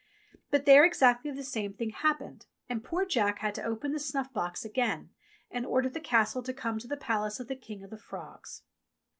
But there exactly the same thing happened, and poor Jack had to open the snuff box again and order the Castle to come to the palace of the King of the Frogs.